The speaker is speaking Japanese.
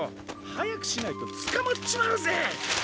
はやくしないとつかまっちまうぜ！